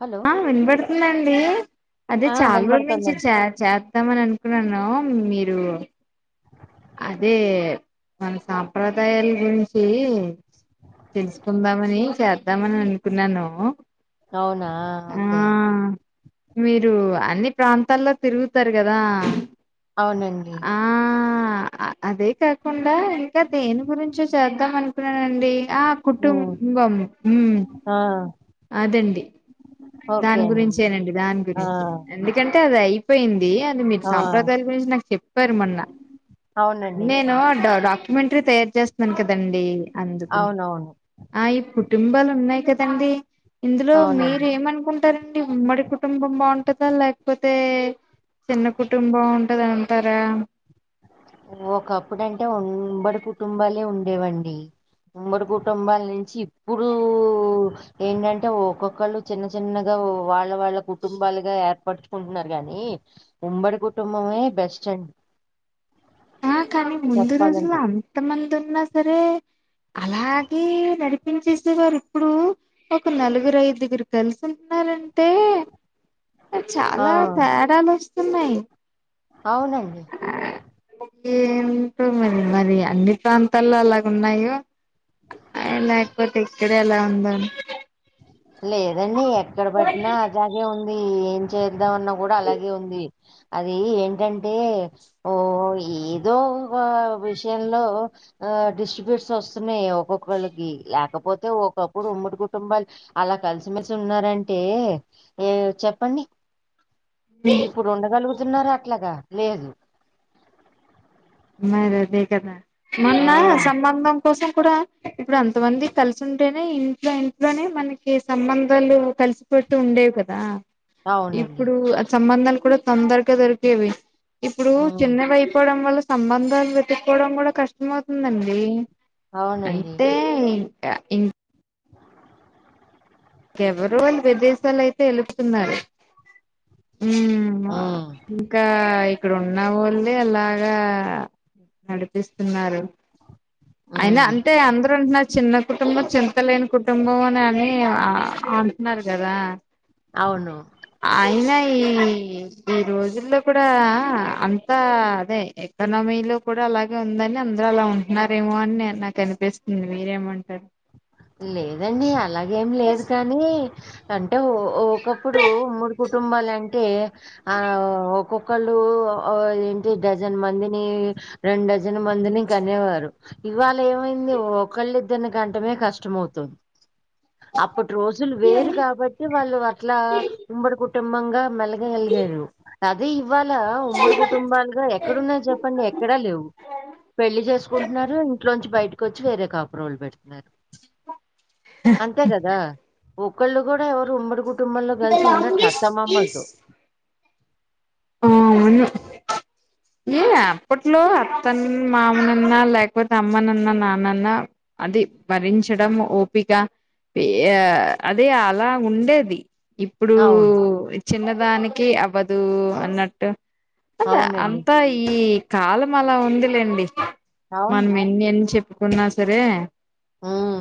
Hello ఆ వినపడుతుందండి అదే ఆ చాలా రోజుల నుంచి వినబడుతుందండి చే చేస్తామని అనుకున్నాను ను మీరు అదే మన సాంప్రదాయాల గురించి తెలుసుకుందామని చేద్దామని అనుకున్నాను అవునా ఆ ఓకే మీరు అన్ని ప్రాంతాల్లో తిరుగుతారు కదా అవునండి ఆ ఆ అదే కాకుండా ఇంకా దేని గురించొ చేద్దాం అనుకున్నానండి ఆ ఉమ్ కుటుంబం ఊ ఆ అదండి ఓకే దాని అండి గురించేనండి దాని ఆ గురించి ఎందుకంటే అది అయిపోయింది ది అది మీరు ఆ సాంప్రదాయాల గురించి నాకు చెప్పారు మొన్న అవునండి నేను డా డాక్టర్ ఇమంటరీ తయారు చేస్తున్నాను కదండి అందుకుని అవునవును ఆ ఇప్పుడు కుటుంబాలు ఉన్నాయి కదండి ఇందులో మీరు అవునండి ఏమను కుంటారండి ఉమ్మడి కుటుంబం బాగుంటందా లేకపోతే చిన్న కుటుంబం ఉంటంది అంటారా ఒకప్పుడు అంటే ఉంబడి కుటుంబాలే ఉండేవండి ఉమ్మడి కుటుంబాల నుంచి ఇప్పుడు ఏంటంటే ఒక్కొక్కళ్ళు చిన్న చిన్నగా ఓ వాళ్ళ వాళ్ళ కుటుంబాలుగా ఏర్పడుచుకుంటున్నారు కానీ ఉమ్మడి కుటుంబమే బెస్ట్ అండి ఆ కానీ ముందు రోజుల్లో చెప్పాలంటే అంత మంది ఉన్నా సరే అలాగే నడిపించేసే వారు ఇప్పుడు ఒక నలుగురు ఐదుగురు కలిసి ఉంటున్నారు అంతే ఆ చాలా తేడాలు వస్తున్నాయి అవునండి ఏంటో మరి మరి అన్ని ప్రాంతాల్లో అలాగ ఉన్నాయో అ లేకపోతే ఇక్కడే ఎలా ఉందా లేదండి ఎక్కడ పట్టినా అలాగే ఉంది ఏం చేద్దామన్నా కూడా అలాగే ఉంది అది ఏంటంటే ఓ ఏదో వ విషయంలో ఆ డిస్ట్రిబ్యూట్స్ వస్తున్నాయి ఒక్కొక్కళ్ళకి లేకపోతే ఒక్కొక్కడు ఉమ్మడి కుటుంబాలు అలా కలిసిమెలిసి ఉన్నారంటే ఏ చెప్పండి ఇప్పుడు ఉండగలుగుతున్నారా అట్లగా లేదు మారి అదే కదా ఆ మొన్న సంబంధం కోసం కూడా ఇప్పుడు అంత మంది కలిసి ఉంటేనే ఇంట్లో ఇంట్లోనే మనకి సంబంధాలు కలిసిపట్టు ఉండేవి కదా అవునండి ఇప్పుడు ఆ సంబంధాలు కూడా తొందరగా దొరికేవి ఇప్పుడు ఉమ్, చిన్నవి అయిపోవడం వల్ల సంబంధాలు వెతుక్కకోవడం కూడా కష్టం అవుతుందండి అవునండి అంటే ఇం ఇంకా ఎవరో వాల్ విదేశాలయితే ఎలుపుతున్నారు ఉ ఆ ఉమ్, ఇంకా ఇక్కడ ఉన్నవాళ్ళు అంటే అలాగా నడిపిస్తున్నారు అయినా ఉమ్, అంటే అందరూ అంటున్నారు చిన్న కుటుంబం చింతలేని కుటుంబం అని అని ఆ అంటున్నారు కదా అవును అయినా ఈ ఈ రోజుల్లో కూడా అంతా అదే ఎకానమీ లో కూడా అలాగే ఉందని అందరు అలా ఉంటున్నారేమో అని నాకు అనిపిస్తుంది మీరేమంటారు లేదండి అలాగేం లేదు కానీ అంటే ఒకప్పుడు ఉమ్మడి కుటుంబాల అంటే ఆ ఒక్కొక్క ఒకళ్ళు ఆ ఏంటి డజన్ మందిని రెండు డజన్ మందిని కనేవారు ఇవాళ ఏమైంది ఒకళ్ళిద్దరిని కంటమే కష్టంమవుతుంది అప్పటి రోజులు వేరు కాబట్టి వాళ్ళు అట్లా ఉమ్మడి కుటుంబంగా మెల ఉండగలిగారు అది ఇవాళ ఉమ్మడి కుటుంబాలుగా ఎక్కడున్నాయి చెప్పండి ఎక్కడా లేవు పెళ్లి చేసుకుంటున్నారు ఇంట్లోంచి బయటి కొచ్చి వేరే కాపురాలు పెడుతున్నారు అంతే కదా ఒకళ్ళు కూడా ఎవరు ఉమ్మడి కుటుంబంలో కలిసి ఉండట్ల అత్తమామ్మలతో ఆ అవును ఏ అప్పట్లో అత్తను మామనన్నా లేకపోతే అమ్మనన్నా నాన్నన్నా అది భరించడం ఓపిక అదే అదే అలా ఉండేది ఇప్పుడు అవును. చిన్నదానికి అవ్వదు అన్నట్టు అదె అవునండి. అంతా ఈ కాలం అలా ఉందిలేండి అవును. మనం ఎన్ని ఎన్ని చెప్పుకున్నా సరే హ్మ్.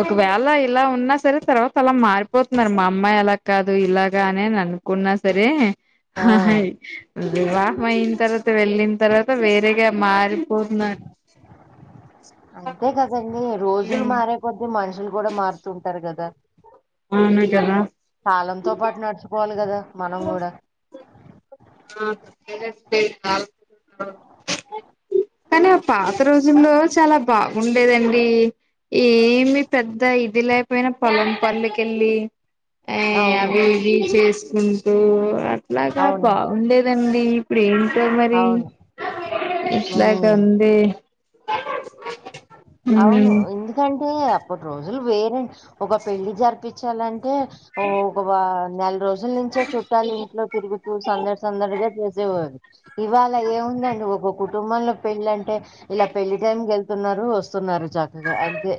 ఒకవేళ ఇలా ఉన్నా సరే తర్వాత అలా మారిపోతున్నారు మా అమ్మాయి అలా కాదు ఇలాగా అనిని అనుకున్నా సరే ఆ! అహై వివాహం అయిన తర్వాత వెళ్ళిన తర్వాత వేరేగా మారి [unintelligible] అ రోజులు మారే కొద్దీ మనుషులు కూడా మారుతుంటారు కదా అవును కదా కాలంతో పాటు నడుచుకోవాలి కదా మనం కూడా [unintelligible] కాని పాత రోజుల్లో చాలా బాగుండేదండి ఏమి పెద్ద ఇది లేపోయినా పొలం పనులకెళ్ళి అ అవును. అవి ఇవి చేసుకుంటూ అట్లాగా అవును. బాగుండేదండి ఏంటో మరి అవును. ఇట్లాగ హ్మ్. ఉంది అవును ఉమ్ ఎందుకంటే అప్పుటి రోజులు వేరే ఒక పెళ్ళి జరిపించాలంటే టె ఒక నెల రోజుల నుంచే చుట్టాలు ఇంట్లో తిరుగుతూ సందడి సందడిగా చేసె వారుఇవాళ ఏముందండి ఒక కుటుంబంలో పెళ్ళ అంటే ఇలా పెళ్లి టైం కి వెళ్తున్నారు వస్తు న్నారు చక్కగా అంతే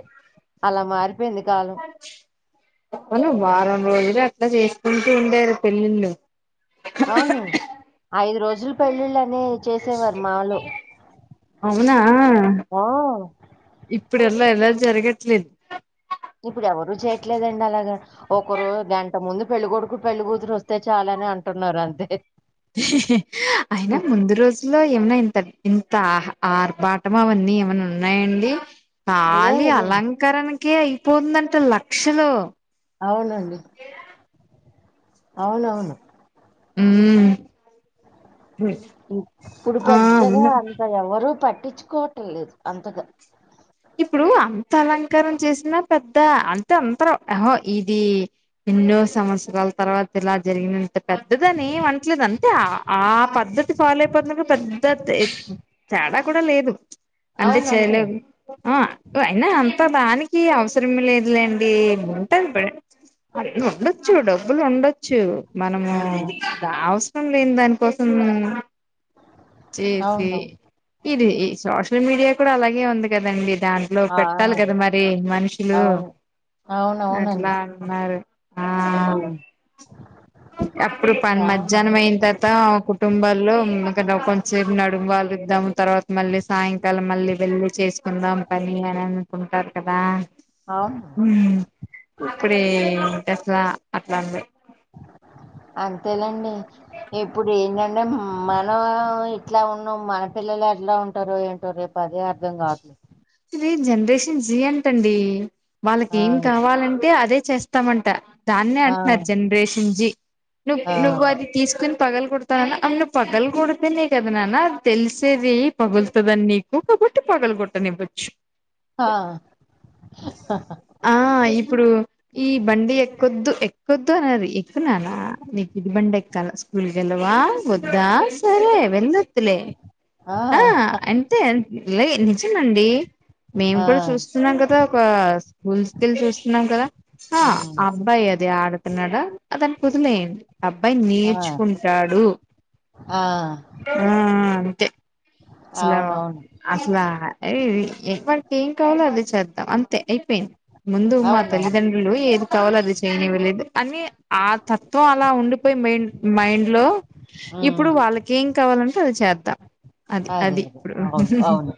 అలా మారి అవును వారం రోజులు అట్లా చేసుకుంటూ ఉండేరు పెళ్ళిళ్ళు అవును ఐదు రోజులు పెళ్ళిళ్ళు అనే చేసేవారు మాలొ అవునా ఇప్పుడుల్లా అలా జరగట్లేదు ఇప్పుడు ఎవరూ చేయట్లేదండి అలాగా ఒకరు గంట ముందు పెళ్ళి కొడుకు పెళ్ళి కూతురు వస్తే చాలని అంటున్నారు అంతే అయినా ముందు రోజుల్లో ఏమన్నా ఇంత అహ ఆర్బాటం అవన్నీ ఏమన్న ఉన్నాయండి తాళీ లేదు లేదు. అలంకరణ కి కే అయిపోతందంట లక్షలు అవునండి అవునవును మ్ ఇప్పుడు పెద్దగా అంత గ ఎవరూ పట్టించుకోవటం లేదు అంతగా ఇప్పుడూ అంత అలంకారం చేసినా పెద్ద అంత అంతరుఅహొ ఇదీ ఎన్నో సంవత్సరాల తర్వాత ఇలా జరిగిన పెద్దదని ఏవనట్లేదు అంతే ఆ పద్ధతి ఫాలో అయిపోతునరు గ పెద్ద తే తేడా కూడా లేదు అంటే అవును అంతే చేయలే ఆ అయినా అంత దానికి అవసరం లేదులేండి ఉంటది ఉండొచ్చు డబ్బులు ఉండొచ్చు మనము హ్మ్ అవసరం లేని దానికోసం చేసే అవునవును ఇది ఈ సోషల్ మీడియా కూడా అలాగే ఉంది కదండి దాంట్లో ఆ పెట్టాలి కదా ఆ! మరి మనుషులు అవును అట్లా అవునవునండి అన్నారు ఆ హ్మ్ అప్పుడు పని ఆ మధ్యాహ్నం అయిన తర్వాత కుటుంబాల్లో కొంచసేపు నడుం వాళ్ళిద్దాము తర్వాత మళ్ళీ సాయంకాలం మళ్ళీ వెళ్లి చేసి కుందాం పని అని అనుకుంటారు కదా అవును ఇప్పుడే అట్లా అట్లాంది అంతేలెండి ఎప్పుడు ఏం అంటే మనం ఇట్లా ఉన్నాం మన పిల్లలు ఎట్లా ఉంటారు ఏంటో రేపు అదే అర్ధం కావట్లే జనరేషన్ జీ అంటండి వాళ్ళకి ఆ ఏం కావాలంటే అదే చేస్తామంట దాన్నే ఆ అంటున్నారు జనరేషన్ జి నువ్ ఆ నువ్వు అది తీసుకుని పగలు కొడతాన్న అ పగలు కొడతేనే కదా నాన్న తెలిసేది పగులుతుదని నీకు ఉట్టి పగలుగొట్ట ని ఆ ఆ ఇప్పుడు ఈ బండి ఎక్కొద్దు ఎక్కొద్దు అన్నారు ఎక్కుననా నీకు ఇది బండి ఎక్కాల స్కూల్కిళ్లవాల [unintelligible] ఆ వద్దా సరే వెల్లు లే ఆ అంటే ఏ నిజమండి మేము ఆ కూడా చూస్తున్నాం కదా ఒక స్కూల్స్క వెళ్ళి చూస్తున్నాం కదా ఆ హ్మ్ అబ్బాయి అది ఆడతున్నాడ అతనికి కుదులేయండి అబ్బాయి ఆ నేర్చుకుంటాడు ఆ ఆ అంతే అసలు అవునవును అసలా ఏ వాకి ఏం కావాలో అదే చేత్తా అంతే అయిపోయింది ముందు మా అవునవును తల్లిదండ్రులు ఏది తవాలది చేని వెలేదు అన్ని [unintelligible] ఆ తత్వం అలా ఉండిపోయి మైండ్ మైండ్ లో హ్మ్ ఇప్పుడు వాళ్ళకి ఏం కావాలంటే అది చే త్త అది అదే అది అదే ఇప్పుడు అవును అవును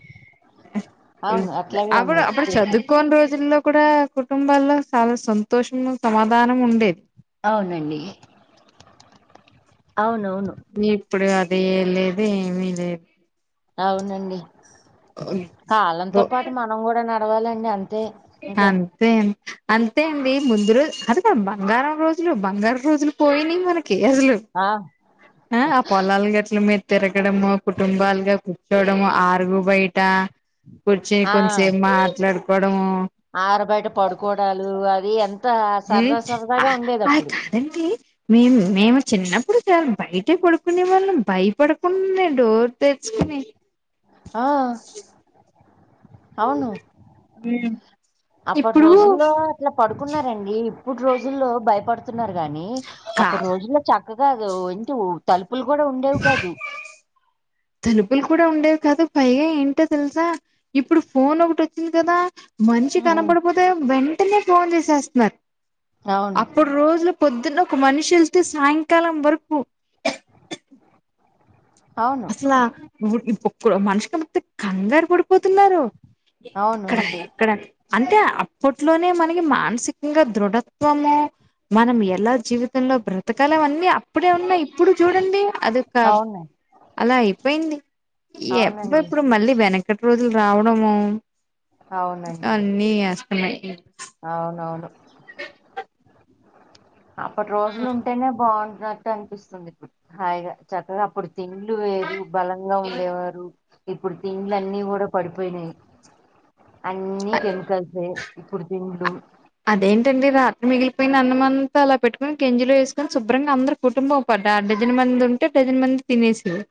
అవును అట్లాగే అప్పుడు ఉంది అప్పుడు చూసి చదుకో ల్లో కూడా కుటుంబాల్లో చాలా సంతోషము సమాధానం ఉండేది అవునండి అవునవును ఇప్పుడు అది లేదు ఏమి లేదు అవునండి కాలంతో పాటు మనం కూడా నడవాలండి అంతే ఇంకా అంతే అంతే అండి ముందు రోజు అది కదా బంగారం రోజులు బంగారం రోజులు పోయినయి మనకి కే అసలు ఆ ఆ పొలాల గట్ల మీ తిరగడము కుటుంబాలుగా కూర్చోవడము అరుగు బయట ట కూర్చొని కొంచసేపు మాట్లాడుకోవడము ఆర బయట పడుకోవడాలు అవి ఎంత ఉం సరదా అ సరదాగా ఉండేది అది అప్పుడు కాదండి మేము మేము చిన్నప్పుడు చాల బయట పడుకునే వాళ్ళం భయపడుకుండా డోర్ తెరుచుకుని ఆ అవును అప్పటి ఇప్పుడు రోజుల్లో అట్లా పడుకున్నారండి ఇప్పుటు రోజుల్లో భయపడుతున్నారు గాని కా అప్పుడు రోజుల్లో చక్కగా ఇంటి తలుపు తలుపులు కూడా ఉండేవి కాదు తలుపులు కూడా ఉండేవి కాదు పైగా ఏంటో తెలుసా ఇప్పుడు ఫోన్ ఒకటి వచ్చింది కదా మనిషి ఉమ్, కనపడపోతే వెంటనే ఫోన్ చేసేస్తున్నారు అవును అప్పుడు రో పొద్దున్న ఒక మనిషి వెళ్తే సాయంకాలం వరకు అవును అసలా మనిషి కనపడకపోతే కంగారు పడిపోతున్నారు అవును ఎక్కడ అవును ఎక్కడ అని ఆ అప్పట్లోనే మనకి మానసికంగా దృఢత్వము మనం ఎలా జీవితంలో బ్రతకాలం అన్నీ అప్పుడే ఉన్నా ఇప్పుడు చూడండి అదక అవును అలా అయిపోయింది ఎప్పు అవునండి ఎప్పుడు మళ్ళీ వెనకటి రోజులు రావడము అవునండి అన్నీ వస్తున్నాయి అవునవును అప్పటి రోజులు ఉంటేనే బాగుంటున్నట్టు అనిపిస్తుంది ఇప్పుడు హాయిగా చక్కగా అప్పుడు తిండ్లు వేరు బలంగా ఉండేవారు ఇప్పుడు తిండ్లు అన్ని కూడా పడిపోయినాయి అన్ని కెమికల్సే ఇప్పుడు దిండ్లు అదేంటండి రాత్రి మిగిలిపోయిన అన్నమంత అలా పెట్టుకుని గంజిలో వేసుకొని శుభ్రంగా అందరు కుటుంబం పా డజన్ మంది ఉంటే డజన్ మంది తినేసే వా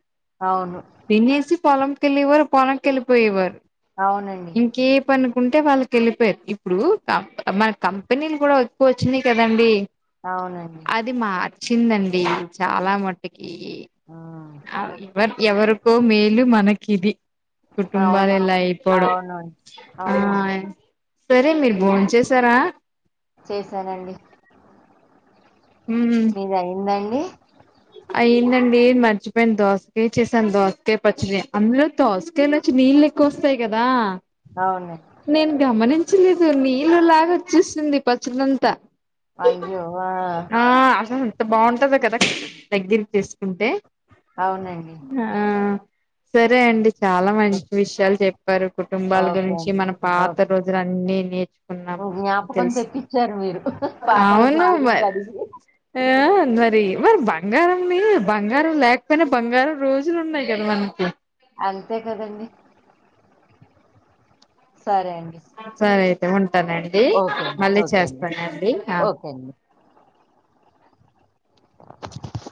అవును తిన్నేసి పొలంకెళ్ళేవారు పొలంకి వెళ్ళిపోయేవారు అవునండి ఇంకే పనుకుంటే వాళ్ళకి వెళ్ళిపోయారు ఇప్పుడు కా మన కంపెనీలు కూడా ఎక్కువ వచ్చినాయి కదండి అవునండి అది మా వచ్చి అది చాలా మట్టుకి ఉమ్, ఎవరు ఎవ కో మేలు మనకిది కుటుంబాలు అవును ఇలా అయిపోవడం అవునండి ఆ అవునండి సరే మీరు భోం చేసారా చేశానండి మీది అయిందా అండి అయియందండి మర్చిపోయింది దోసకాయ చేసాను దోసకాయ పచ్చిడి అందులో దోసకాయలు వచ్చి నీళ్ళు కోస్తాయి కదా అవునండి నేను గమనించలేదు నీళ్ళలాగా వచ్చేసింది పచ్చలంతా అయ్యో ఆ బాగుంటది కదా దగ్గరకి వేసుకుంటే అవునండి ఆ సరే అండి చాలా ఓ- మంచి విషయాలు చెప్ పారు కుటుంబాల ఓకే గురించి అండి మన పాత ఓకే రోజులు అన్ని నేర్చుకున్నాం మనము జ్ఞాపకం తెలుసు తెప్పించారు మీరు పాత రోజుల అవును గురించి మరి అడిగి ఆ అందరికీ మరి బంగారంనీ బంగారం లేకపోయినా బంగారం రోజులు ఉన్నాయి కదా మనకి అంతే కదండి సరే అండి సరే అయితే ఉంటానండి ఓకే అండి మళ్ళీ ఓకే అండి చేస్తానండి ఓకే అండి